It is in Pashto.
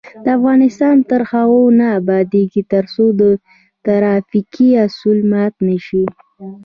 افغانستان تر هغو نه ابادیږي، ترڅو ترافیکي اصول مات نشي.